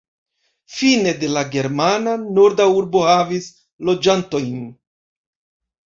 Fine de la germana, norda urbo havis loĝantojn.